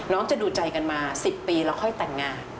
จะดูใจกันมา๑๐ปีแล้วค่อยแต่งงาน